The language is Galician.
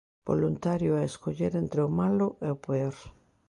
Voluntario é escoller entre o malo e o peor.